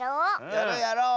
やろうやろう！